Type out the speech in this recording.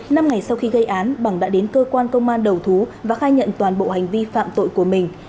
năm ngày sau khi gây án bằng đã đến cơ quan công an đầu thú và khai nhận toàn bộ hành vi phạm tội của mình